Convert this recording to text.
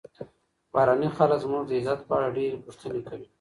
بهرني خلک زموږ د عزت په اړه ډېرې پوښتنې کوي.